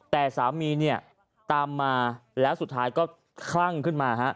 แต่สามีเนี่ยตามมาแล้วสุดท้ายก็คลั่งขึ้นมาฮะ